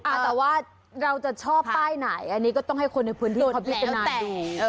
แต่ว่าเราจะชอบป้ายไหนอันนี้ก็ต้องให้คนในพื้นที่เขาแต่ง